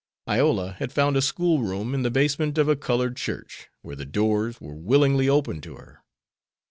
Iola had found a school room in the basement of a colored church, where the doors were willingly opened to her.